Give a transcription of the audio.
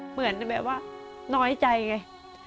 เหมือนแบบว่าน้อยใจไง